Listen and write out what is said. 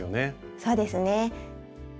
そうですね。